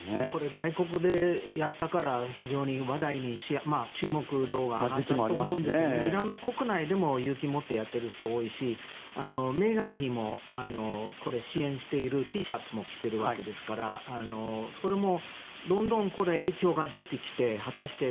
外国でやったから非常に注目度が上がったと思うんですがイランの国内でも勇気を持ってやっている人が多いしメーガン妃も支援しているＴシャツも着ているわけですからそれもどんどん影響が出てきて果たして